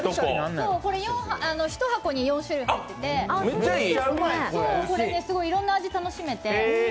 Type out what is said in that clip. １箱に４種類入ってて、すごいいろんな味が楽しめて。